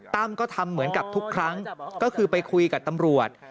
ก็ทำเหมือนกับทุกครั้งก็คือไปคุยกับตำรวจ